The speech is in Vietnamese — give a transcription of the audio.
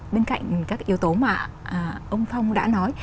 bên cạnh các yếu tố mà ông phong đã nói